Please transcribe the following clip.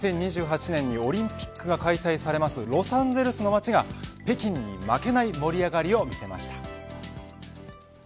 ２０２８年にオリンピックが開催されますロサンゼルスの街が北京に負けない盛り上がりを見せました。